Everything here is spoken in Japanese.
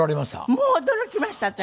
もう驚きました私。